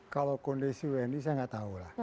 kalau kondisi wni saya nggak tahu lah